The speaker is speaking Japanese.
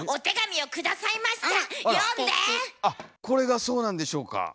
これがそうなんでしょうか。